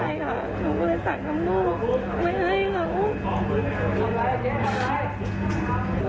หนูก็เลยสั่งทำหนูไม่ให้เขา